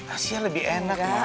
asia lebih enak ma